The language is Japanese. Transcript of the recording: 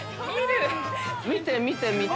◆見て見て見て。